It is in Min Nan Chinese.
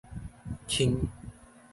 輕